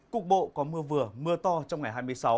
cục bộ có mưa vừa mưa to trong ngày hai mươi sáu